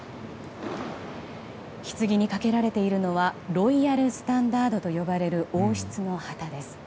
ひつぎにかけられているのはロイヤルスタンダードと呼ばれる王室の旗です。